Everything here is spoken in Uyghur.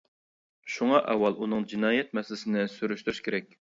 شۇڭا ئاۋۋال ئۇنىڭ جىنايەت مەسىلىسىنى سۈرۈشتۈرۈش كېرەك.